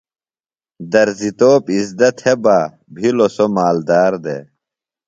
درزیۡ توپ اِزدہ تھےۡ بہ، بِھلوۡ سوۡ مالدار دےۡ